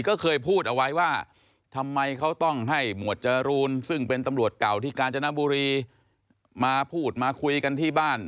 ก็เคยพูดเอาไว้ว่าทำไมเขาต้องให้หมวดจรูนซึ่งเป็นตำรวจเก่าที่กาญจนบุรีมาพูดมาคุยกันที่บ้าน